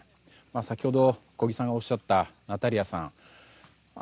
先ほど小木さんがおっしゃったナタリアさん